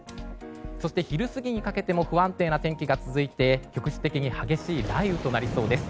そして昼過ぎにかけても不安定な天気が続き局地的に激しい雷雨となりそうです。